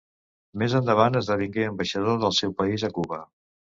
Més endavant esdevingué ambaixador del seu país a Cuba.